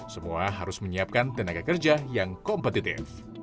semua harus menyiapkan tenaga kerja yang kompetitif